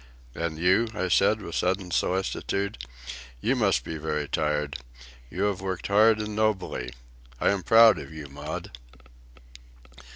"And you?" I said, with sudden solicitude. "You must be very tired. You have worked hard and nobly. I am proud of you, Maud."